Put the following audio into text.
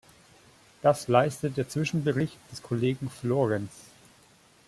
Das leistet der Zwischenbericht des Kollegen Florenz.